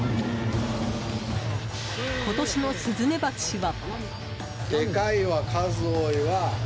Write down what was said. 今年のスズメバチは。